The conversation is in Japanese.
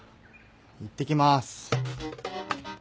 行ってきます。